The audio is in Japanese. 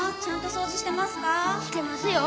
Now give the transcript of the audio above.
してますよ。